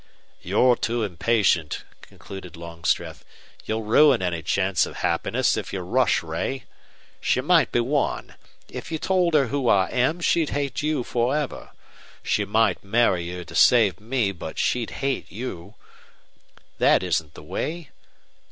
"You're too impatient," concluded Longstreth. "You'll ruin any chance of happiness if you rush Ray. She might be won. If you told her who I am she'd hate you for ever. She might marry you to save me, but she'd hate you. That isn't the way.